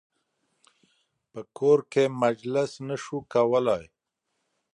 په کور کې مجلس نه شو کولای.